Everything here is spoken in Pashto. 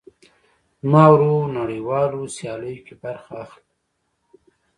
زما ورور نړيوالو سیاليو کې برخه اخلي.